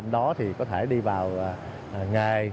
một mươi đó thì có thể đi vào nghề